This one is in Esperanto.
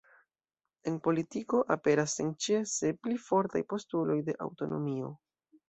En politiko aperas senĉese pli fortaj postuloj de aŭtonomio.